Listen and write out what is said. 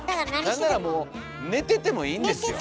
なんならもう寝ててもいいんですよ。